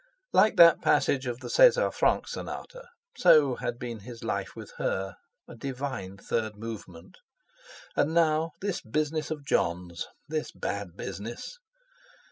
Like that passage of the Cesar Franck Sonata—so had been his life with her, a divine third movement. And now this business of Jon's—this bad business!